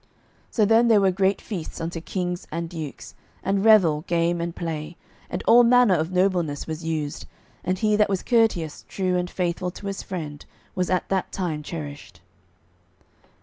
So then there were great feasts unto kings and dukes; and revel, game, and play, and all manner of nobleness was used; and he that was courteous, true, and faithful to his friend was at that time cherished.